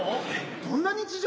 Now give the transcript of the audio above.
どんな日常？